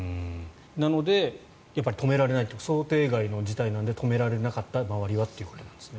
なので止められないというか想定外の事態なので周りは止められなかったということですね。